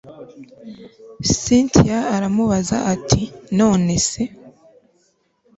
cyntia aramubaza ati nonese